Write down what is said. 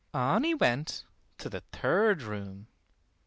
On he went to the third room.